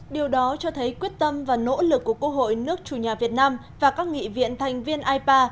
điều đó cho thấy quyết tâm và nỗ lực của quốc hội nước chủ nhà việt nam và các nghị viện thành viên ipa